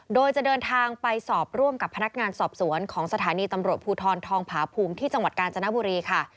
โดยจะเดินทางไปสอบร่วมกับพนักงานสอบสวนของสถานีตำรวจภูทรทองผาภูมิที่จังหวัดกาญจนบุรีค่ะ